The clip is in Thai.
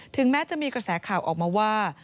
แม้จะมีกระแสข่าวออกมาว่า